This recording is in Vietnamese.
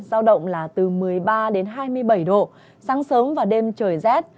giao động là từ một mươi ba đến hai mươi bảy độ sáng sớm và đêm trời rét